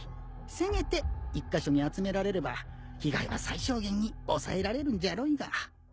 せめて１カ所に集められれば被害は最小限に抑えられるんじゃろいが。